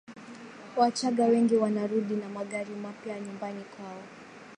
wachaga wengi wanarudi na magari mapya nyumbani kwao